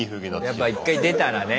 やっぱ１回出たらね。